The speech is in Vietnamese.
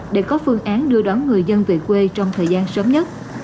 để có phương án đưa đón người dân về quê trong thời gian sớm nhất